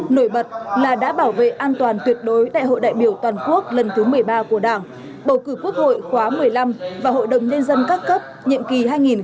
nổi bật là đã bảo vệ an toàn tuyệt đối đại hội đại biểu toàn quốc lần thứ một mươi ba của đảng bầu cử quốc hội khóa một mươi năm và hội đồng nhân dân các cấp nhiệm kỳ hai nghìn hai mươi một hai nghìn hai mươi sáu